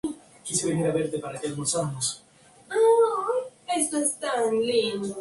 Su historia se cuenta en el texto del "Rig-veda".